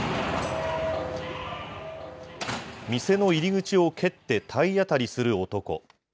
店の入り口を蹴って体当たりする男。